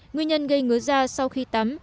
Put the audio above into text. nguyên nhân gây ngứa da sau khi tắm